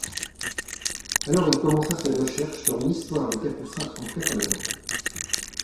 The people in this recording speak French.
Alors il commença ses recherches sur l'histoire des Capucins en Catalogne.